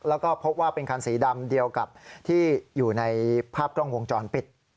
แล้วก็พบว่าเป็นคันสีดำเดียวกับที่อยู่ในภาพกล้องวงจรปิด